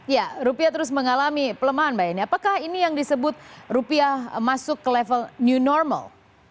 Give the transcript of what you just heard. ya rupiah terus mengalami pelemahan mbak yeni apakah ini yang disebut rupiah masuk ke level new normal